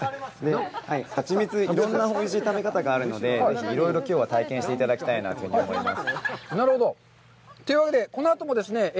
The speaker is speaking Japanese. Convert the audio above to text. ハチミツ、いろんなおいしい食べ方があるので、ぜひいろいろきょうは体験していただきたいなと思います。